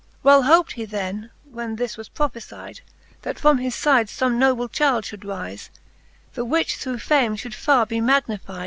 Well hop't he then, when this was prophefide, That from his fides fome noble chyld fhould rize, The which through fame fhould farre be magnifide.